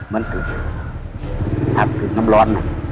มันคือผักคือน้ำร้อน